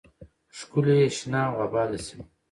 ، ښکلې، شنه او آباده سیمه ده.